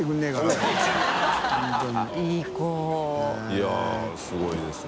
い笋すごいですね。